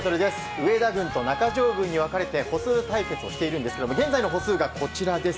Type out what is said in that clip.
上田軍と中条軍に分かれて歩数対決をしているんですが現在の歩数がこちらです。